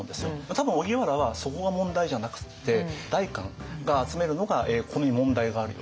多分荻原はそこが問題じゃなくって代官が集めるのがここに問題があるよねと。